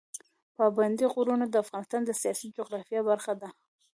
پابندی غرونه د افغانستان د سیاسي جغرافیه برخه ده.